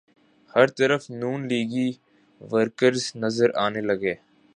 ہر طرف نون لیگی ورکر نظر آنے لگے۔